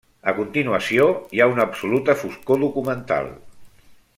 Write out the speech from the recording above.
A continuació hi ha una absoluta foscor documental.